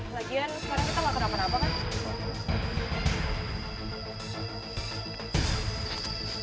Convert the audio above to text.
lagian sekarang kita mau makan apa apa kan